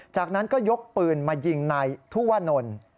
จากนั้นก็ยกปืนมายิงนายทุวนล